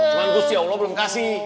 cuma gusya allah belum kasih